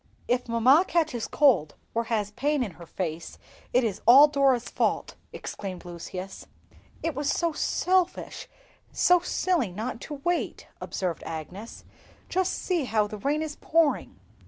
"If mamma catches cold or has pain in her face it is all Dora's fault!" exclaimed Lucius. "It was so selfish—so silly not to wait," observed Agnes; "just see how the rain is pouring!"